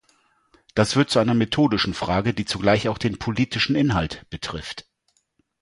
Das wird zu einer methodischen Frage, die zugleich auch den politischen Inhalt betrifft.